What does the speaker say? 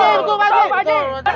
betul pak haji